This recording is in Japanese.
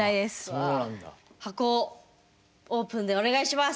箱をオープンでお願いします！